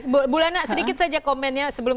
bu lana sedikit saja komennya sebelum